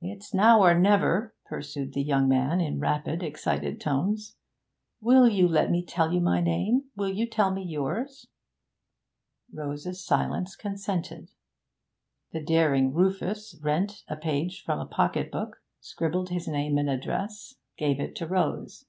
'It's now or never,' pursued the young man in rapid, excited tones. 'Will you let me tell you my name? Will you tell me yours?' Rose's silence consented. The daring Rufus rent a page from a pocket book, scribbled his name and address, gave it to Rose.